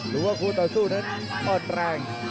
หรือว่าผู้ต่อสู้นั้นอ้อนแรง